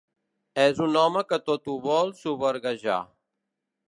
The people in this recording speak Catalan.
És un home que tot ho vol soberguejar.